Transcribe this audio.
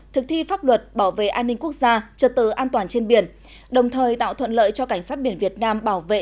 thực thi pháp luật bảo vệ an ninh quốc gia trật tự an toàn trên biển đồng thời tạo thuận lợi cho cảnh sát biển việt nam bảo vệ